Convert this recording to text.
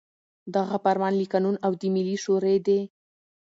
دغه فرمان له قانون او د ملي شـوري د